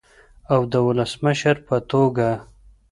او د ولسمشر په توګه